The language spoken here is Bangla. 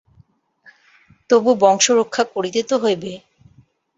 তবু বংশরক্ষা করিতে তো হইবে।